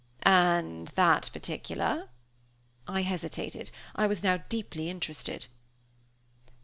"And that particular?" I hesitated. I was now deeply interested.